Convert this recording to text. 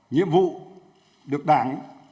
nhiệm vụ được đảng